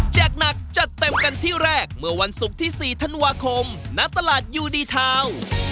หนักจัดเต็มกันที่แรกเมื่อวันศุกร์ที่๔ธันวาคมณตลาดยูดีทาวน์